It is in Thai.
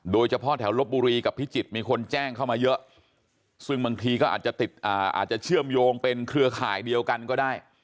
โดยเฉพาะแถวลบบุรีกับพิจิตรมีคนแจ้งเข้ามาเยอะซึ่งบางทีก็อาจจะติดอาจจะเชื่อมโยงเป็นเครือข่ายเดียวกันก็ได้